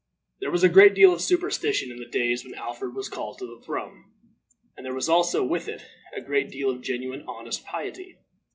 There was a great deal of superstition in the days when Alfred was called to the throne, and there was also, with it, a great deal of genuine honest piety.